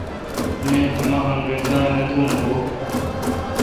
نہ مہ انگرزا نہ دے بھو۔